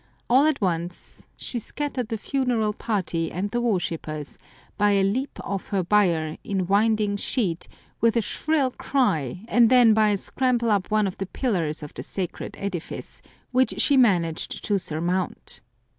All at once she scattered the funeral party and the worshippers by a leap off her bier, in winding sheet, with a shrill cry, and then by a scramble up one of the pillars of the sacred edifice, which she managed to surmount.